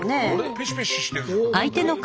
ペシペシしてるぞ。